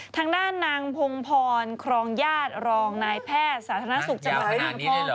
ทางด้านนางพงพรครองญาติรองนายแพทย์สาธารณสุขจังหวัด